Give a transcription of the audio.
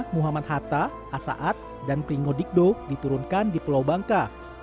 muhammad hatta asaat dan pringodikdo diturunkan di pulau bangka